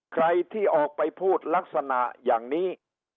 ใครที่ออกไปพูดลักษณะอย่างนี้